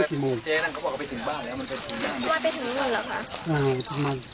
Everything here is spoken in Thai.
ประมาณ